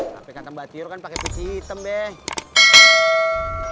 tapi kan tembak tiro kan pakai peci hitam beh